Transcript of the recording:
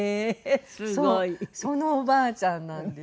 そのおばあちゃんなんですよ。